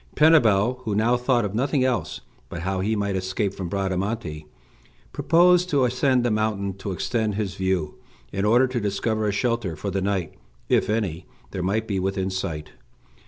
Pinabel, who now thought of nothing else but how he might escape from Bradamante, proposed to ascend the mountain to extend his view, in order to discover a shelter for the night, if any there might be within sight.